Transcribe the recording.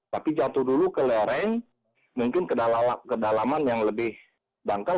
tapi jatuh dulu ke lereng mungkin kedalaman yang lebih dangkal